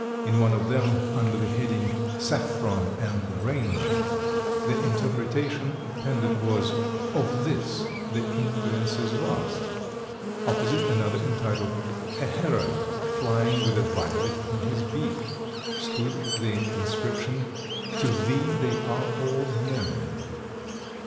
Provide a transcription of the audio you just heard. In one of them, under the heading, "Saffron and the Rainbow," the interpretation appended was: "Of this, the influence is vast;" opposite another, entitled "A heron, flying with a violet in his beak," stood the inscription: "To thee they are all known."